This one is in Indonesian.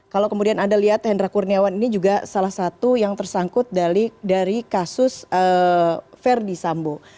kalau kemudian anda lihat hendra kurniawan ini juga salah satu yang tersangkut dari kasus verdi sambo